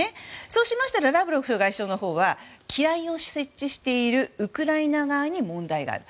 そうしましたらラブロフ外相は機雷を設置しているウクライナ側に問題がある。